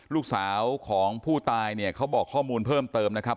ลูกสาวของผู้ตายเนี่ยเขาบอกข้อมูลเพิ่มเติมนะครับ